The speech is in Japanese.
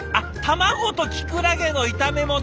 卵とキクラゲの炒め物！